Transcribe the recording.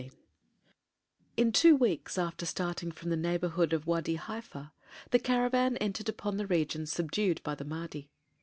XV In two weeks after starting from the neighborhood of Wâdi Haifa the caravan entered upon the region subdued by the Mahdi.